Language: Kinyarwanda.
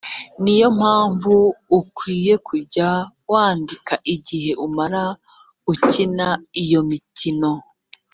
ni yo mpamvu ukwiriye kujya wandika igihe umara ukina iyo mikino